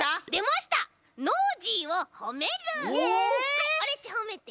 はいオレっちほめて。